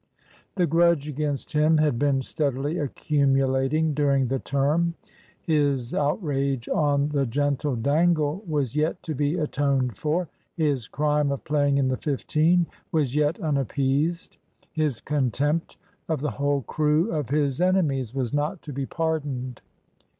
The grudge against him had been steadily accumulating during the term. His outrage on the gentle Dangle was yet to be atoned for. His crime of playing in the fifteen was yet unappeased. His contempt of the whole crew of his enemies was not to be pardoned.